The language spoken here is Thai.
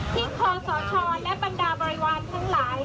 คอสชและบรรดาบริวารทั้งหลาย